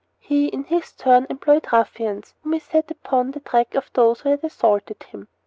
He, in his turn, employed ruffians whom he set upon the track of those who had assaulted him.